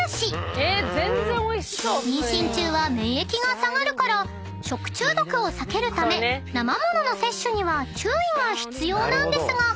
［妊娠中は免疫が下がるから食中毒を避けるため生ものの摂取には注意が必要なんですが］